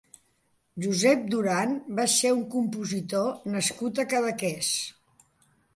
Josep Duran va ser un compositor nascut a Cadaqués.